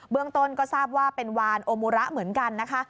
เรื่องต้นก็ทราบว่าเป็นวานโอมูระเหมือนกันนะคะ